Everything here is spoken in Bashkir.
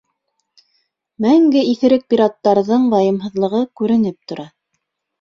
Мәңге иҫерек пираттарҙың вайымһыҙлығы күренеп тора.